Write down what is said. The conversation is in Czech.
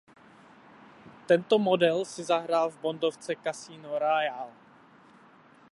Tento model si zahrál v bondovce Casino Royale.